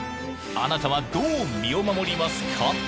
あなたはどう身を守りますか？